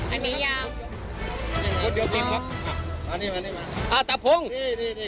อันนี้ยังเฮ้ออันนี้มาอ่ะตะพรุงนี่นี่นี่